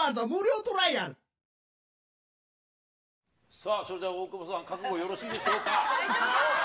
さあ、それでは大久保さん、覚悟よろしいでしょうか。